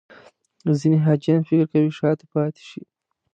ځینې حاجیان فکر کوي شاته پاتې شي.